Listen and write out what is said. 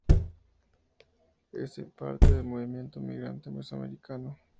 Es parte del Movimiento Migrante Mesoamericano.